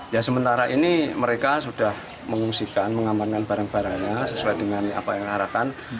ya sementara ini mereka sudah mengungsikan mengamankan barang barangnya sesuai dengan apa yang diarahkan